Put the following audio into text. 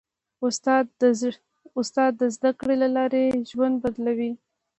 استاد د زدهکړې له لارې ژوند بدلوي.